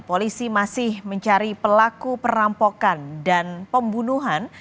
polisi masih mencari pelaku perampokan dan pembunuhan